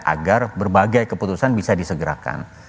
agar berbagai keputusan bisa disegerakan